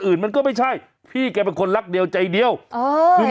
อื่นมันก็ไม่ใช่พี่แกเป็นคนรักเดียวใจเดียวอ๋อคือ